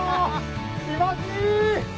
気持ちいい！